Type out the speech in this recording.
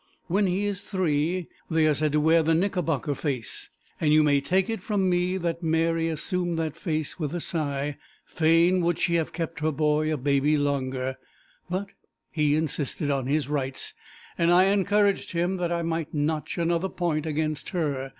When he is three they are said to wear the knickerbocker face, and you may take it from me that Mary assumed that face with a sigh; fain would she have kept her boy a baby longer, but he insisted on his rights, and I encouraged him that I might notch another point against her.